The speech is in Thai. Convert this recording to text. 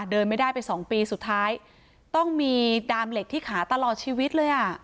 เดินไม่ได้ไปสองปีสุดท้ายต้องมีดามเหล็กที่ขาตลอดชีวิตเลยอ่ะ